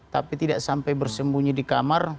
tapi tidak sampai bersembunyi di kamar